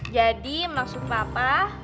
jadi maksud papa